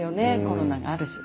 コロナがあるし。